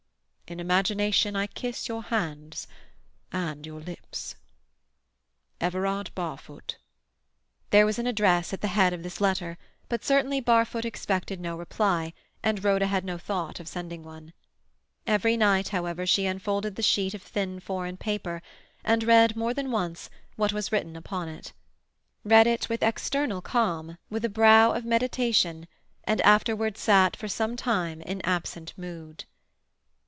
In imagination I kiss your hands and your lips. EVERARD BARFOOT." There was an address at the head of this letter, but certainly Barfoot expected no reply, and Rhoda had no thought of sending one. Every night, however, she unfolded the sheet of thin foreign paper, and read, more than once, what was written upon it. Read it with external calm, with a brow of meditation, and afterwards sat for some time in absent mood.